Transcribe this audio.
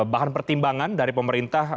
bahan pertimbangan dari pemerintah